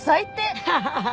アハハハ！